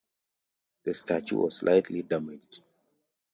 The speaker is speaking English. The statue was slightly damaged.